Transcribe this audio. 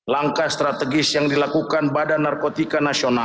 langkah strategis yang dilakukan pada narkotika